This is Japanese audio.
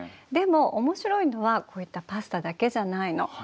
でもおもしろいのはこういったパスタだけじゃないの。